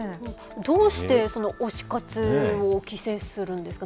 どうしてその推し活を規制するんですか？